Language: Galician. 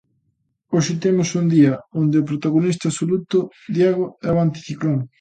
Hoxe temos un día, onde o protagonista absoluto, Diego, é o anticiclón.